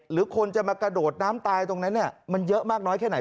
หรือคนจะมากระโดดน้ำตายตรงนั้นมันเยอะมากน้อยแค่ไหน